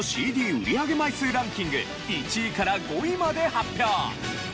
売上枚数ランキング１位から５位まで発表。